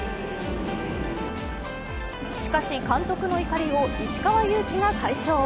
しかし、監督の怒りを石川祐希が解消。